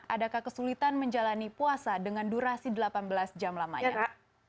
adakah kesulitan menjalani puasa dengan durasi delapan belas jam lamanya